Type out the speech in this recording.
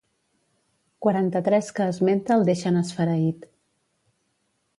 Quaranta-tres que esmenta el deixen esfereït.